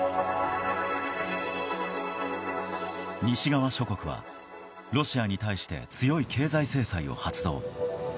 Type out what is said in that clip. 西側諸国はロシアに対して強い経済制裁を発動。